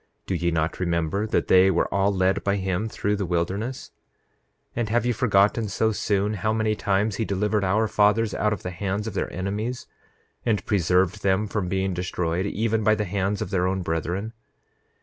Do ye not remember that they were all led by him through the wilderness? 9:10 And have ye forgotten so soon how many times he delivered our fathers out of the hands of their enemies, and preserved them from being destroyed, even by the hands of their own brethren?